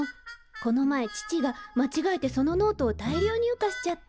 この前父がまちがえてそのノートを大量入荷しちゃって。